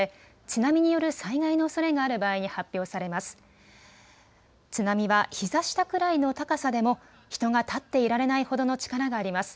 津波はひざ下くらいの高さでも人が立っていられないほどの力があります。